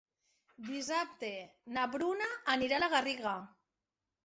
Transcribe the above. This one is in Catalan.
Dissabte na Bruna anirà a la Garriga.